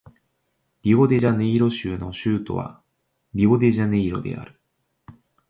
リオデジャネイロ州の州都はリオデジャネイロである